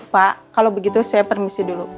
pak kalau begitu saya permisi dulu